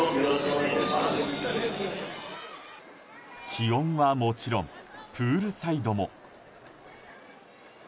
気温はもちろんプールサイドも。